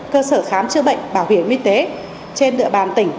cơ sở khám chữa bệnh bảo hiểm y tế trên địa bàn tỉnh